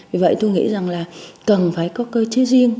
vì vậy tôi nghĩ rằng là cần phải có cơ chế riêng